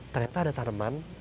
ternyata ada tanaman